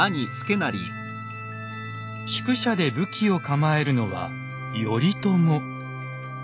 宿舎で武器を構えるのは頼朝。